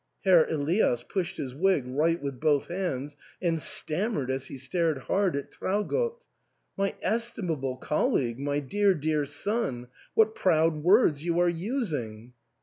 Herr Elias pushed his wig right with both hands and stammered, as he stared hard at Traugott, " My esti mable colleague, my dear, dear son, what proud words you are using